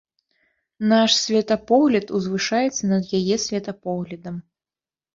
Наш светапогляд узвышаецца над яе светапоглядам.